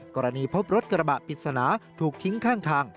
กรณีพบรถกระบะปริศนาถูกทิ้งข้างทาง